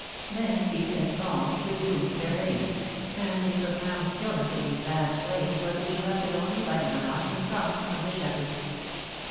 Then peace and calm resumed their reign; and the profound stillness of these vast plains was interrupted only by the monotonous song of the shepherd.